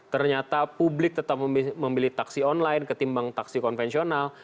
ternyata publik tetap memilih taksi online ketimbang taksi konvensional